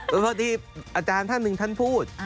พอทีอาจารย์ท่านหนึ่งท่านพูด